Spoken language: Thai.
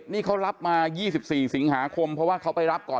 นี่เขารับมา๒๔สิงหาคมเพราะว่าเขาไปรับก่อน